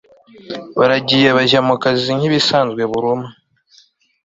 Baragiye bajya mukazi nkibisanze buri umwe